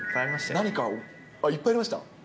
何か、いっぱいありました？